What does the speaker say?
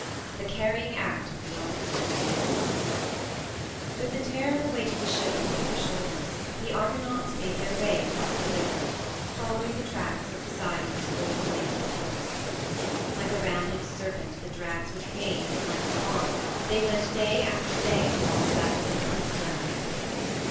THE CARRYING OUT OF THE ARGO With the terrible weight of the ship upon their shoulders the Argonauts made their way across the desert, following the tracks of Poseidon's golden maned horse. Like a rounded serpent that drags with pain its length along, they went day after day across that limitless land.